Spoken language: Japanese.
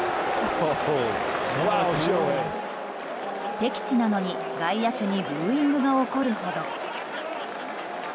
敵地なのに外野手にブーイングが起こるほど。